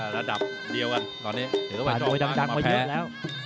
ระดับเดียวกันตอนนี้เดี๋ยวก็ไม่ชอบมามาแพ้